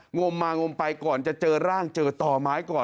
งมมางมไปก่อนจะเจอร่างเจอต่อไม้ก่อน